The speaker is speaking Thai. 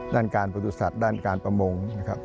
ด้านการประตุศัตริย์ด้านการประมง